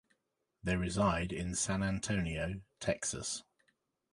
They reside in San Antonio, Texas.